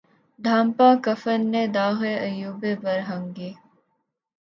ڈھانپا کفن نے داغِ عیوبِ برہنگی